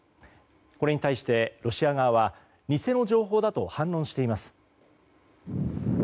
これに対してロシア側は偽の情報だと反論しています。